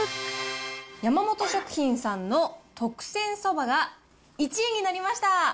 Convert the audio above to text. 山本食品さんの特選そばが１位になりました。